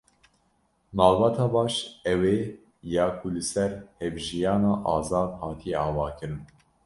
Malbata baş, ew e ya ku li ser hevjiyana azad hatiye avakirin.